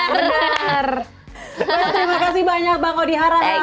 terima kasih banyak bang odihara